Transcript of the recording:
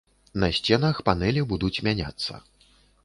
На сценах панэлі будуць мяняцца.